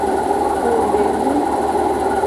Po devi.